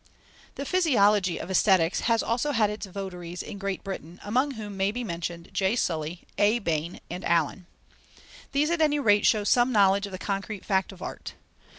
The Physiology of Aesthetics has also had its votaries in Great Britain, among whom may be mentioned J. Sully, A. Bain, and Allen. These at any rate show some knowledge of the concrete fact of art.